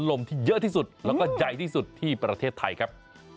แล้วก็ใหญ่ที่สุดที่ประเทศไทยครับ